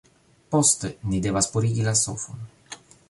Poste, ni devas purigi la sofon